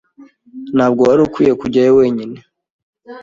Ntabwo wari ukwiye kujyayo wenyine.